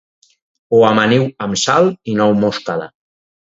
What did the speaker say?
Ho amaniu amb sal i nou moscada